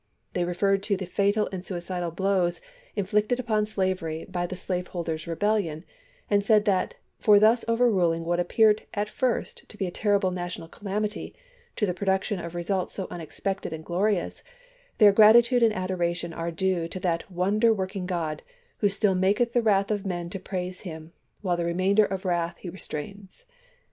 They referred to the " fatal and suicidal blows " inflicted upon slav ery by the slaveholders' rebelUon, and said that "for thus overruling what appeared at first to be a terrible national calamity, to the production of results so unexpected and glorious, their grati tude and adoration are due to that wonder work ing God who still maketh the wrath of men to praise him, while the remainder of wrath he re strains."